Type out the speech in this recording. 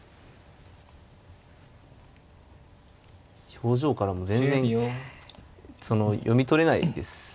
表情からも全然読み取れないですよね。